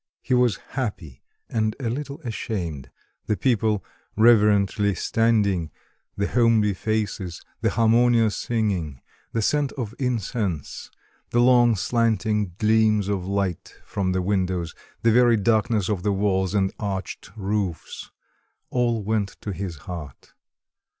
He was happy and a little ashamed. The people reverently standing, the homely faces, the harmonious singing, the scent of incense, the long slanting gleams of light from the windows, the very darkness of the walls and arched roofs, all went to his heart.